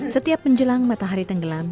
setiap menjelang matahari tenggelam